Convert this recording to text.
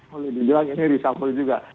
boleh dibilang ini reshuffle juga